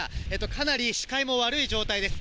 かなり視界も悪い状態です。